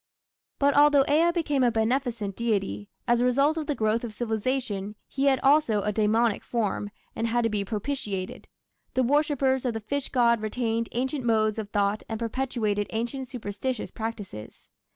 But although Ea became a beneficent deity, as a result of the growth of civilization, he had also a demoniac form, and had to be propitiated. The worshippers of the fish god retained ancient modes of thought and perpetuated ancient superstitious practices.